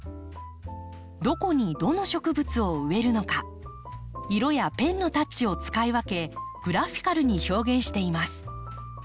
どこにどの植物を植えるのか色やペンのタッチを使い分けグラフィカルに表現しています。